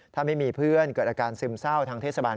ถ้าไม่มีเพื่อนเกิดอาการซึมเศร้าทางเทศบาล